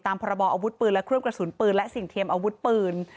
พรบออาวุธปืนและเครื่องกระสุนปืนและสิ่งเทียมอาวุธปืน